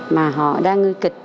mà họ đang nguy kịch